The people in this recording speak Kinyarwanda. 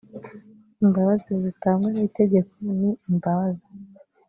imbabazi zitangwa n itegeko ni imbabazi